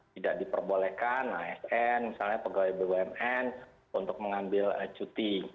tidak diperbolehkan asn misalnya pegawai bumn untuk mengambil cuti